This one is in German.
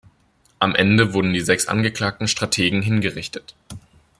Am Ende wurden die sechs angeklagten Strategen hingerichtet.